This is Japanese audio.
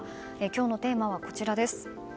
今日のテーマはこちら。